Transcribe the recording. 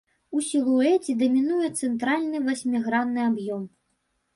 У сілуэце дамінуе цэнтральны васьмігранны аб'ём.